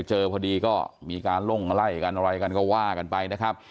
เจอพอดีก็มีการลงไล่กันอะไรกันก็ว่ากันไปนะครับ